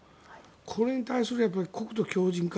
これに対する国土強じん化